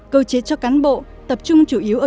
cơ chế cho cán bộ tập trung chủ yếu ở